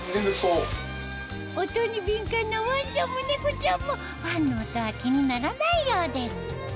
音に敏感なワンちゃんもネコちゃんもファンの音は気にならないようです